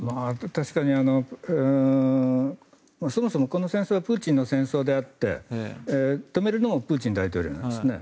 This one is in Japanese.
確かに、そもそもこの戦争はプーチンの戦争であって止めるのもプーチン大統領なんですね。